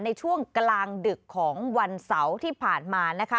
ในช่วงกลางดึกของวันเสาร์ที่ผ่านมานะคะ